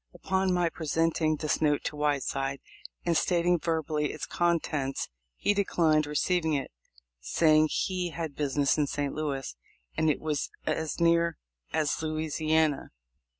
Upon my presenting this note to Whiteside, and stating verbally its contents, he declined receiving it, saying he had business in St. Louis, and it was as near as Louisiana.